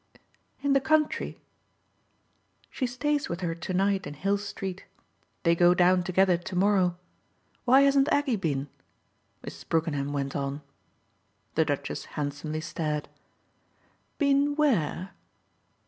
"In the country?" "She stays with her to night in Hill Street. They go down together to morrow. Why hasn't Aggie been?" Mrs. Brookenham went on. The Duchess handsomely stared. "Been where?"